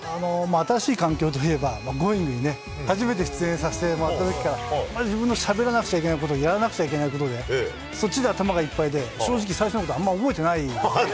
新しい環境といえば、Ｇｏｉｎｇ！にね、初めて出演させてもらったときから、自分のしゃべらなきゃいけないこと、やらなくちゃいけないことで、そっちで頭がいっぱいで、正直、最初のときのことあんまり覚えてあら？